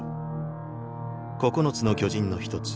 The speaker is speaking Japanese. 九つの巨人の一つ